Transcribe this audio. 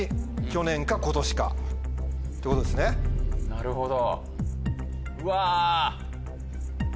なるほど。